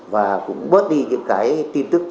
và cũng bớt đi những cái tin tức